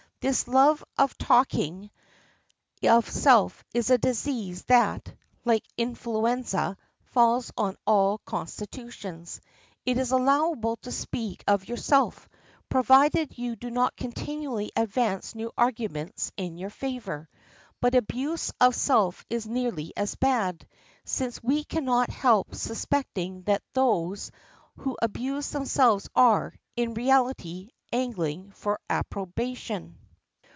This love of talking of self is a disease that, like influenza, falls on all constitutions. It is allowable to speak of yourself, provided you do not continually advance new arguments in your favor. But abuse of self is nearly as bad, since we can not help suspecting that those who abuse themselves are, in reality, angling for approbation.